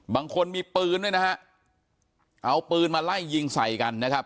บางคนมีปืนด้วยนะฮะเอาปืนมาไล่ยิงใส่กันนะครับ